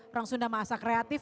orang sunda masa kreatif